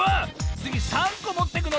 つぎ３こもってくの？